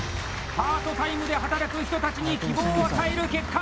パートタイムで働く人たちに希望を与える結果！